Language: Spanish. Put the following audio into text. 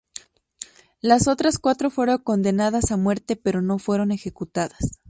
Las otras cuatro fueron condenadas a muerte, pero no fueron ejecutadas.